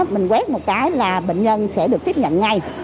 mình quét một cái là bệnh nhân sẽ được tiếp nhận ngay